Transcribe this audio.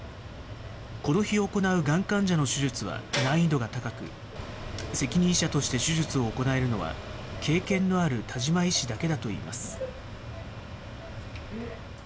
この日、行うがん患者の手術は難易度が高く、責任者として手術を行えるのは、経験のある田島医師だけだといいます。